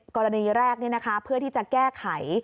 กรณีแรกเพื่อที่จะแก้ไข